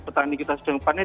petani kita sedang panen